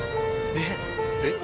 えっ！えっ？